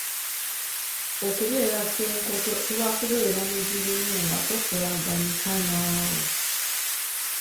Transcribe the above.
Okubeera ssenkotwe kuba kubeera muzibu nnyo nga takolagaanika naawe